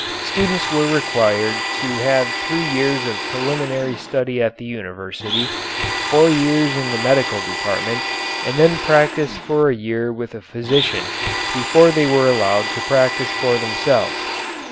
Students were required to have three years of preliminary study at the university, four years in the medical department, and then practise for a year with a physician before they were allowed to practise for themselves.